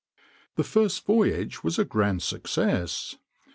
This first voyage was a grand success.